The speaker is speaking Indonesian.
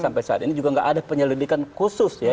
sampai saat ini juga nggak ada penyelidikan khusus ya